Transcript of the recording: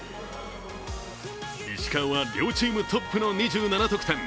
石川は両チームトップの２７得点。